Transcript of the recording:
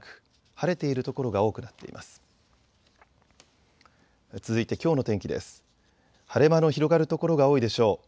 晴れ間の広がる所が多いでしょう。